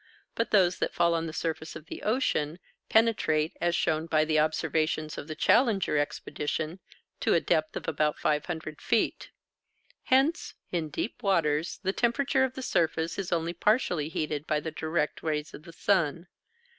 But those that fall on the surface of the ocean penetrate, as shown by the observations of the Challenger Expedition, to a depth of about 500 feet. Hence, in deep waters the temperature of the surface is only partially heated by the direct rays of the sun.